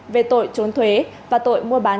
về tội trốn thuế và tội mua bán